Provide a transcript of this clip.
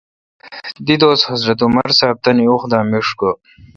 دیدوس حضرت عمر صاب تانی وخ دا میݭ گو۔